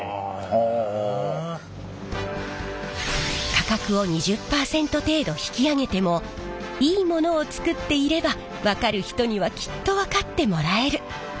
価格を２０％程度引き上げてもいいものを作っていれば分かる人にはきっと分かってもらえる。